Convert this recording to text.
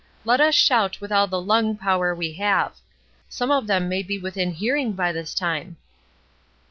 Let us shout with all the lung power we have; some of them may be within hearing by this time."